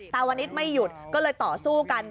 ตาวนิดไม่หยุดก็เลยต่อสู้กัน